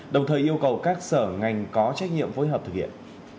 đồng thời yêu cầu các sở ngành có trách nhiệm phối hợp thực hiện